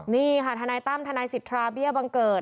นี่ค่ะทนายตั้มทนายสิทธาเบี้ยบังเกิด